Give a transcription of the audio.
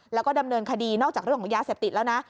แล้วก็ดำเนินคดีนอกจากเรื่องของยาเสพติดแล้วนะ